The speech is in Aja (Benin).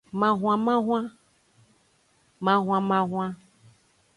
Mahwanmahwan.